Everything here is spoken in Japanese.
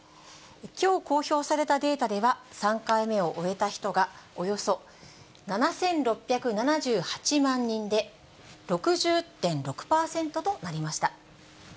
きょう公表されたデータでは、３回目を終えた人がおよそ７６７８万人で、６０．６％となりました。